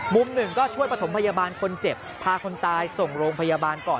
มุมหนึ่งก็ช่วยประถมพยาบาลคนเจ็บพาคนตายส่งโรงพยาบาลก่อน